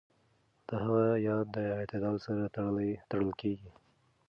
د هغه ياد د اعتدال سره تړل کېږي.